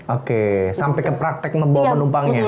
oke sampai ke praktek membawa penumpangnya